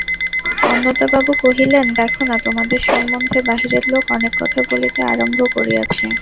অন্নদাবাবু কহিলেন, দেখো-না, তোমাদের সম্বন্ধে বাহিরের লোক অনেক কথা বলিতে আরম্ভ করিয়াছে।